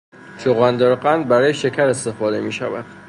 چغندر قند برای شکر استفاده می شود.